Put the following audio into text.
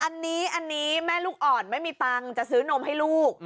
อันนี้อันนี้แม่ลูกอ่อนไม่มีตังค์จะซื้อนมให้ลูก